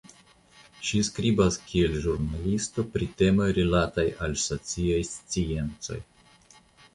Ŝi skribas kiel ĵurnalisto pri temoj rilataj al sociaj sciencoj.